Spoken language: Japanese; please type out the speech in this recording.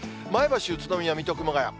前橋、宇都宮、水戸、熊谷。